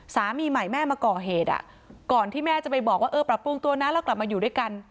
สามีใหม่แม่มาก่อเหตุอ่ะก่อนที่แม่จะไปบอกว่าเออปรับปรุงตัวนะแล้วกลับมาอยู่ด้วยกัน